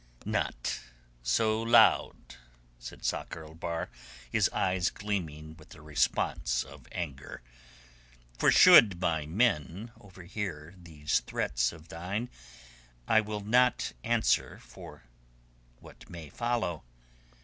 "Not so loud," said Sakr el Bahr, his eyes gleaming with a response of anger. "For should my men overhear these threats of thine I will not answer for what may follow.